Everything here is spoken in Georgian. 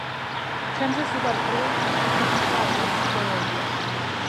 თხემზე სუბალპური ლიხი და ალპური მდელოებია.